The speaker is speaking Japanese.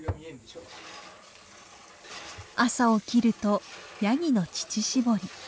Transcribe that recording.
朝起きるとヤギの乳搾り。